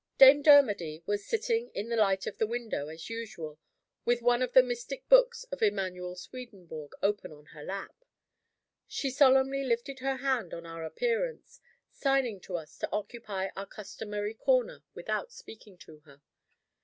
Dame Dermody was sitting in the light of the window, as usual, with one of the mystic books of Emanuel Swedenborg open on her lap. She solemnly lifted her hand on our appearance, signing to us to occupy our customary corner without speaking to her.